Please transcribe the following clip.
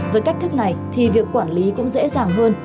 với cách thức này thì việc quản lý cũng dễ dàng hơn